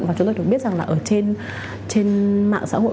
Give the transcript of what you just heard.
và chúng tôi được biết rằng là ở trên mạng xã hội